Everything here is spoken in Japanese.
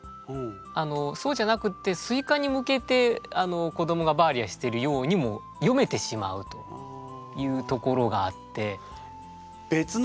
あのそうじゃなくって「スイカ」に向けて子どもが「バーリア」してるようにもよめてしまうというところがあって。